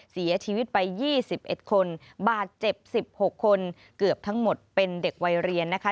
เสียชีวิตไป๒๑คนบาดเจ็บ๑๖คนเกือบทั้งหมดเป็นเด็กวัยเรียนนะคะ